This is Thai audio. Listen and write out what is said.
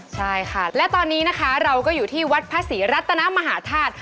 ใช่ค่ะและตอนนี้นะคะเราก็อยู่ที่วัดพระศรีรัตนมหาธาตุ